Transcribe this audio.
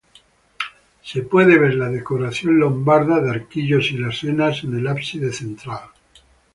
Se puede ver la decoración lombarda de arquillos y lesenas en el ábside central.